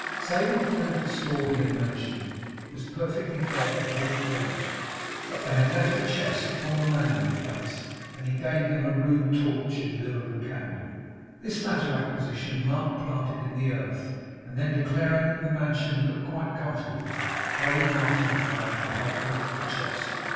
Saving for the little store he had mentioned, it was perfectly bare of all furniture; but they had left a chest upon the landing place, and he gave them a rude torch in lieu of candle. This latter acquisition Mark planted in the earth, and then declaring that the mansion 'looked quite comfortable,' hurried Martin off again to help bring up the chest.